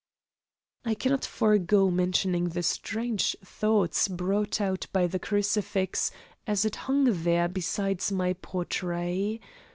I cannot forego mentioning the strange thoughts brought out by the crucifix as it hung there beside my portrait.